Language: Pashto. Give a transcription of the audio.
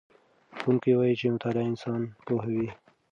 ښوونکی وایي چې مطالعه انسان پوهوي.